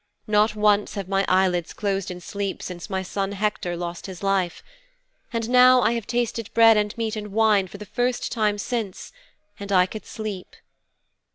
Not once have my eyelids closed in sleep since my son Hector lost his life. And now I have tasted bread and meat and wine for the first time since, and I could sleep."'